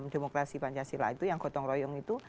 demokrasi pancasila itu yang gotong royong itu